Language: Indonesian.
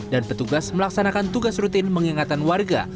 dan petugas melaksanakan tugas rutin mengingatan warga